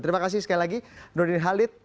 terima kasih sekali lagi nurdin halid